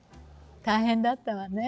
大変だったわね